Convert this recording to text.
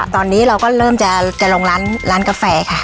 ตอนนี้เราก็เริ่มจะลงร้านกาแฟค่ะ